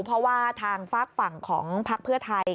เพราะว่าทางฝากฝั่งของพักเพื่อไทย